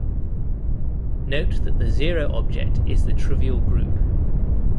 Note that the zero object is the trivial group.